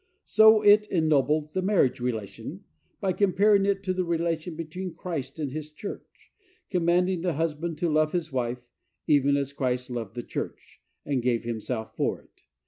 So it ennobled the marriage relation by comparing it to the relation between Christ and his church; commanding the husband to love his wife, even as Christ loved the church, and gave himself for it.